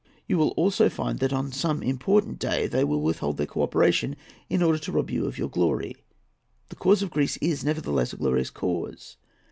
You will also find that on some important day they will withhold their co operation, in order to rob you of your glory. The cause of Greece is, nevertheless, a glorious cause.